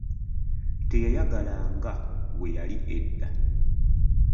Teyeyagala nga bwe yali edda.